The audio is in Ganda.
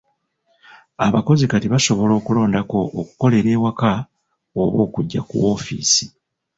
Abakozi kati basobola okulondako okukolera ewaka oba okujja ku woofiisi.